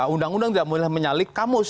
undang undang tidak boleh menyalip kamus